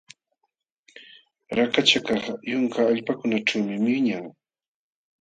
Rakachakaq yunka allpakunaćhuumi wiñan.